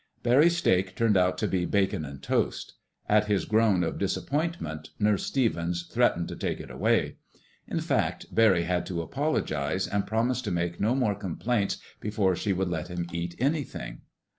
Barry's steak turned out to be bacon and toast. At his groan of disappointment, Nurse Stevens threatened to take it away. In fact, Barry had to apologize and promise to make no more complaints before she would let him eat anything.